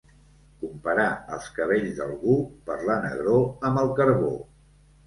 Comparar els cabells d'algú, per la negror, amb el carbó.